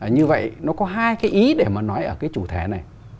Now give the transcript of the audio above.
như vậy nó có hai cái ý để mà nói ở cái chủ thể này